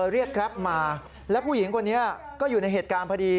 เรียกแกรปมาและผู้หญิงคนนี้ก็อยู่ในเหตุการณ์พอดี